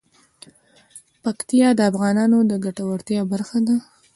پکتیا د افغانانو د ګټورتیا برخه ده.